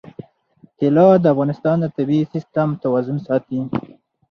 طلا د افغانستان د طبعي سیسټم توازن ساتي.